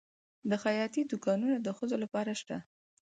د خیاطۍ دوکانونه د ښځو لپاره شته؟